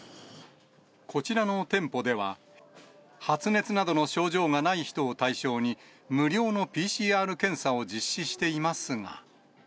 こちらの店舗では、発熱などの症状がない人を対象に、無料のＰＣＲ検査を実施していますが。